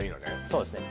そうですね